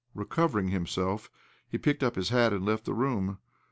Recovering himself, he picked up his hat, and left the room.